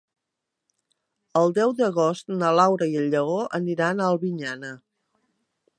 El deu d'agost na Laura i en Lleó aniran a Albinyana.